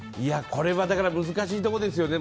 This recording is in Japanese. これは難しいところですよね。